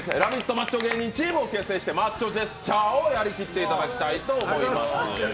マッチョ芸人チームを組んでもらってマッチョジェスチャーをやりきっていただきたいと思います。